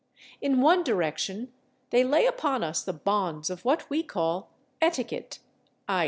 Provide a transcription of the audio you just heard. In one direction they lay upon us the bonds of what we call etiquette, _i.